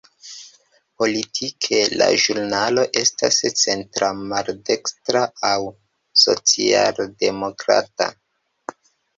Politike, la ĵurnalo estas centra-maldekstra aŭ social-demokrata.